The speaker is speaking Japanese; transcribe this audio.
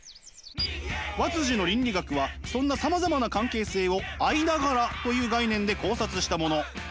和の倫理学はそんなさまざまな関係性を「間柄」という概念で考察したもの。